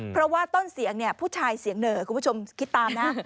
เพราะว่าต้นเสียงเนี่ยผู้ชายเสียงเหนอคุณผู้ชมคิดตามนะ